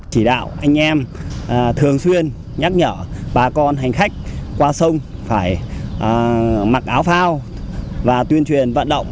chỉ đạo anh em thường xuyên nhắc nhở bà con hành khách qua sông phải mặc áo phao và tuyên truyền vận động